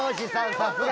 さすが！